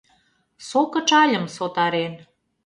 Со кычальым, сотарен